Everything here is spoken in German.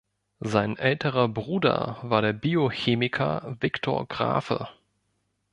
Sein älterer Bruder war der Biochemiker Viktor Grafe.